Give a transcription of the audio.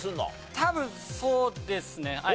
多分そうですねはい。